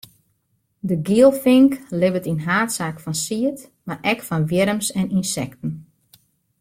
De gielfink libbet yn haadsaak fan sied, mar ek fan wjirms en ynsekten.